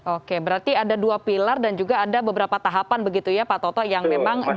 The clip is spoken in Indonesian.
oke berarti ada dua pilar dan juga ada beberapa tahapan begitu ya pak toto yang memang diperlukan